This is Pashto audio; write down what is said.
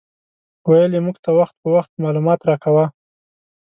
ویل یې موږ ته وخت په وخت معلومات راکاوه.